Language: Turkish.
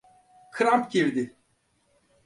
Kramp girdi.